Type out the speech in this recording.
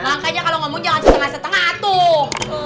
makanya kalo ngomong jangan setengah setengah atuh